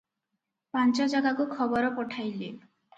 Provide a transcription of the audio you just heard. ପାଞ୍ଚ ଜାଗାକୁ ଖବର ପଠାଇଲେ ।